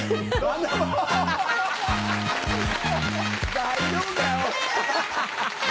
大丈夫かよ？